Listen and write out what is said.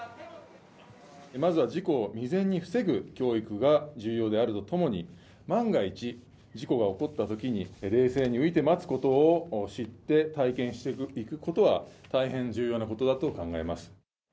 まずは事故を未然に防ぐ教育が重要であるとともに、万が一、事故が起こったときに、冷静に浮いて待つことを知って、体験していくことは大変重要なことだと考えます。